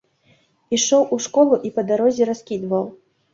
Ішоў у школу і па дарозе раскідваў.